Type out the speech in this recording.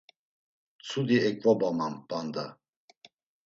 Mtsudi eǩvobaman p̌anda.